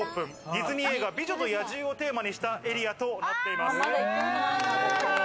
ディズニー映画『美女と野獣』をテーマにしたエリアとなっています。